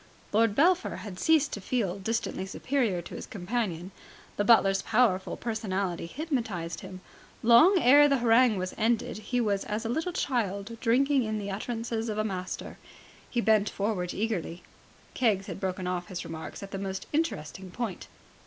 Lord Belpher had ceased to feel distantly superior to his companion. The butler's powerful personality hypnotized him. Long ere the harangue was ended, he was as a little child drinking in the utterances of a master. He bent forward eagerly. Keggs had broken off his remarks at the most interesting point.